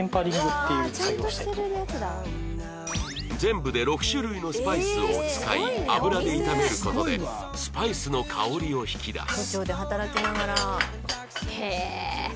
全部で６種類のスパイスを使い油で炒める事でスパイスの香りを引き出す